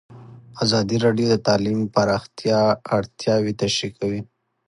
ازادي راډیو د تعلیم د پراختیا اړتیاوې تشریح کړي.